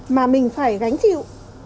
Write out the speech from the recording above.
mà mình phải gánh chịu